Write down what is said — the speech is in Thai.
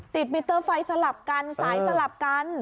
มิเตอร์ไฟสลับกันสายสลับกัน